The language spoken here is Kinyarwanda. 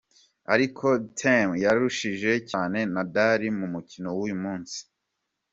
Ariko Thiem yarushije cyane Nadal mu mukino w'uyu munsi.